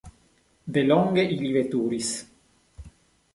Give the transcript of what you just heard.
Delonge ili veturis.